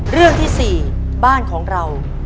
เรื่องที่๔บ้านของเรา